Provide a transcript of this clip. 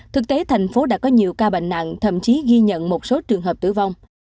thực tế thành phố đã có nhiều ca bệnh nặng thậm chí ghi nhận một số trường hợp tử vong